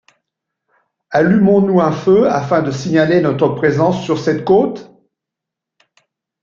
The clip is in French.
Allumerons-nous un feu afin de signaler notre présence sur cette côte?